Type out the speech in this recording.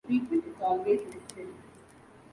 Treatment is always necessary.